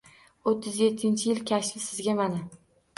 O’ttiz yettinchi yil kashfi sizga mana —